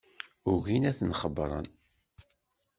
Ugin ad ten-xebbren.